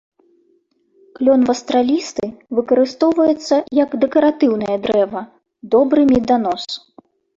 Клён вастралісты выкарыстоўваецца як дэкаратыўнае дрэва, добры меданос.